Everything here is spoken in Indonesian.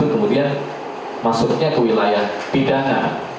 kemudian masuknya ke wilayah pidana